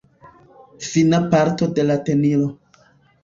Fina parto de la tenilo.